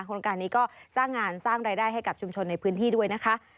โครงการนี้ก็สร้างงานสร้างรายได้ให้กับชุมชนในพื้นที่ด้วยนะคะ